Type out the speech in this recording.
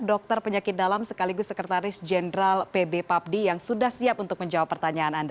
dokter penyakit dalam sekaligus sekretaris jenderal pb papdi yang sudah siap untuk menjawab pertanyaan anda